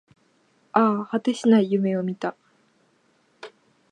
ああ、果てしない夢を見た